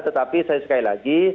tetapi saya sekali lagi